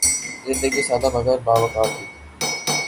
زندگی سادہ مگر باوقار تھی